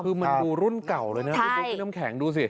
คือมันดูรุ่นเก่าเลยนะดูสิ